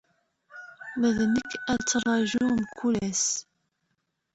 Ma d nekk, ad ttraǧuɣ mkul ass.